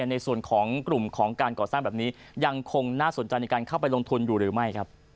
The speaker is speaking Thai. ในส่วนของกลุ่มของการก่อสร้างแบบนี้ยังคงน่าสนใจในการเข้าไปลงทุนอยู่หรือไม่